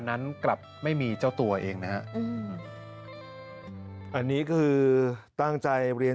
น้องคิดว่าเราทำเพื่อเขาครั้งสุดท้าย